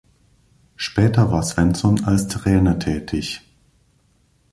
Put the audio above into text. Später war Svensson als Trainer tätig.